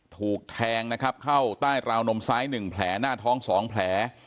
ถูกแทงนะครับเข้าใต้ราวนมซ้าย๑แผลหน้าท้อง๒แผล